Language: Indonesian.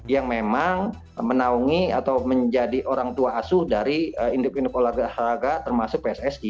yang memang menaungi atau menjadi orang tua asuh dari induk induk olahraga termasuk pssi